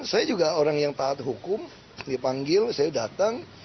saya juga orang yang taat hukum dipanggil saya datang